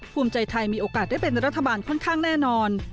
ภูมิใจไทยมีโอกาสได้เป็นรัฐบาลค่อนข้างแน่นอน